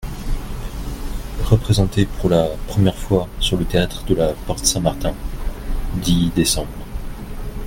Représenté pour la première fois sur le théâtre de la Porte-Saint-Martin (dix déc.